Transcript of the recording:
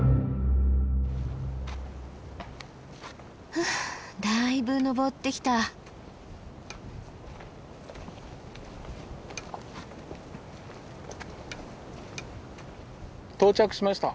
ふうだいぶ登ってきた。到着しました。